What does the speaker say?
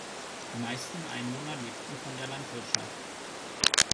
Die meisten Einwohner lebten von der Landwirtschaft.